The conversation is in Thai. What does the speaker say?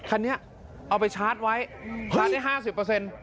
คันนี้เอาไปชาร์จไว้ชาร์จได้๕๐เปอร์เซ็นต์